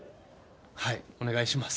はいお願いします。